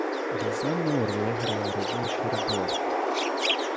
Významnou roli hraje rovněž rybolov.